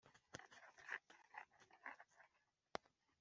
amaze kumurongora, Karake aranezerwa